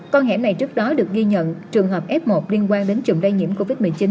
con hẻm này trước đó được ghi nhận trường hợp f một liên quan đến chủng lây nhiễm covid một mươi chín